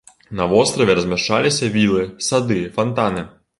На востраве размяшчаліся вілы, сады, фантаны.